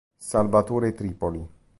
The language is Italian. Salvatore Tripoli